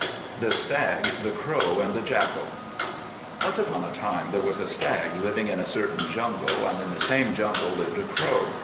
The Stag, the Crow, and the Jackal ONCE upon a time there was a Stag living in a certain jungle, and in the same jungle lived a Crow.